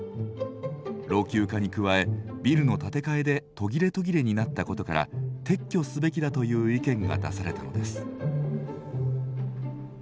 老朽化に加えビルの建て替えで途切れ途切れになったことから撤去すべきだという意見が出されたのです。